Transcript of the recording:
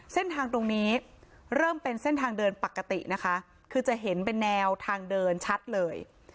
เส้นทางตรงนี้เริ่มเป็นเส้นทางเดินปกตินะคะคือจะเห็นเป็นแนวทางเดินชัดเลย